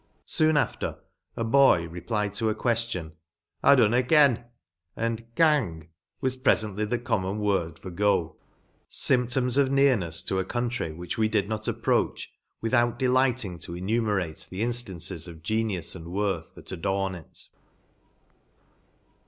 Soon after, a boy replied to a queftion, w / do na ken" and "gang" was prefently the common word for^fl ; fymptoms of nearnefs to a country, which we did not approach, with out delighting to enumerate the inftances of genius and worth, that adorn it.